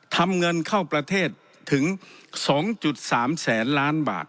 ทำเงินเข้าประเทศถึง๒๓แสนล้านบาท